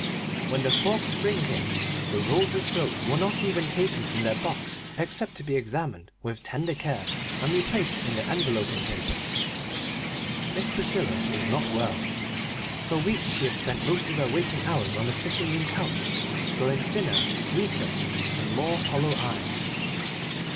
When the fourth spring came the rolls of silk were not even taken from their box except to be examined with tender care and replaced in the enveloping paper. Miss Priscilla was not well. For weeks she had spent most of her waking hours on the sitting room couch, growing thiner, weaker, and more hollow eyed.